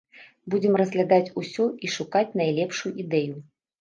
Будзем разглядаць усё і шукаць найлепшую ідэю.